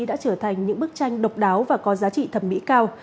đã trở thành những bức tranh độc đáo và có giá trị thẩm mỹ cao